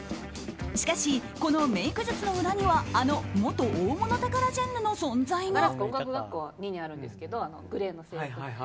しかし、このメイク術の裏にはあの元大物タカラジェンヌの存在が。